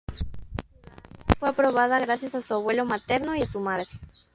Su ciudadanía fue aprobada gracias a su abuelo materno y a su madre.